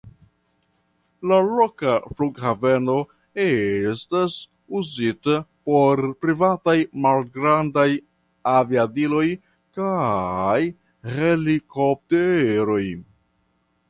La loka flughaveno estas uzita por privataj malgrandaj aviadiloj kaj helikopteroj.